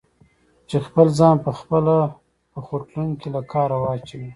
چې خپل ځان په خپله په خوټلون کې له کاره واچوي؟